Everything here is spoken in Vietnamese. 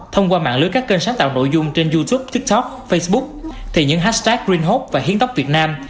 thông qua mạng lướt các kênh sáng tạo nội dung trên youtube tiktok facebook thì những hashtag green hope và hiến tóc việt nam